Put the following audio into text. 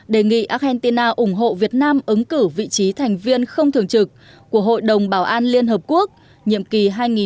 đề nghị argentina ủng hộ việt nam ứng cử vị trí thành viên không thường trực của hội đồng bảo an liên hợp quốc nhiệm kỳ hai nghìn hai mươi hai nghìn hai mươi một